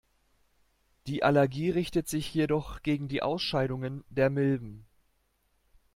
Die Allergie richtet sich jedoch gegen die Ausscheidungen der Milben.